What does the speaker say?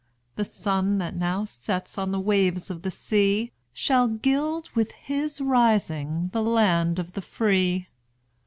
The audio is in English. The sun, that now sets on the waves of the sea, Shall gild with his rising the land of the free!